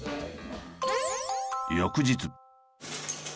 翌日。